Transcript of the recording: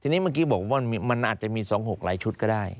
ทีนี้เมื่อกี้บอกว่ามันอาจจะมี๒๖หลายชุดก็ได้